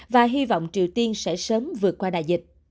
và hy vọng triều tiên sẽ sớm vượt qua đại dịch